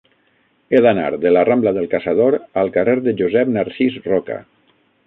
He d'anar de la rambla del Caçador al carrer de Josep Narcís Roca.